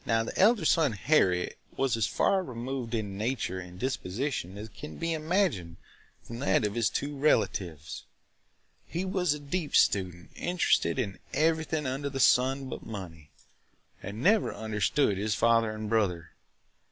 "The elder son, Harry, was as far removed in nature and disposition as can be imagined from that of his two relatives. He was a deep student, interested in everything under the sun but money, and never understood his father and brother.